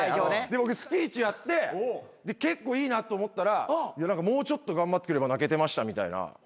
僕スピーチやって結構いいなと思ったらもうちょっと頑張ってくれれば泣けてましたみたいな。